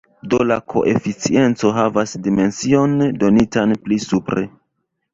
Do la koeficiento havas dimension donitan pli supre.